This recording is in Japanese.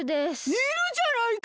いるじゃないか！